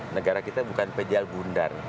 negara kita bukan pejal bundar